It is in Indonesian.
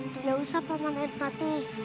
tidak usah paman angka depati